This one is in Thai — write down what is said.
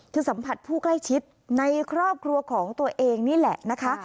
คือสัมผัสผู้ใกล้ชิดในครอบครัวของตัวเองนี่แหละนะคะ